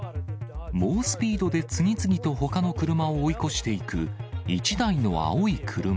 猛スピードで次々とほかの車を追い越していく、１台の青い車。